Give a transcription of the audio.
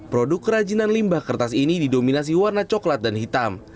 produk kerajinan limbah kertas ini didominasi warna coklat dan hitam